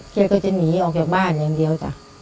เครียดก็จะหนีออกจากบ้านอย่างเดียว